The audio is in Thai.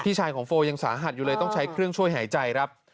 ชายของโฟยังสาหัสอยู่เลยต้องใช้เครื่องช่วยหายใจครับ